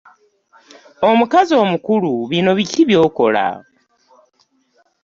Omukazi omukulu bino biki by'okola?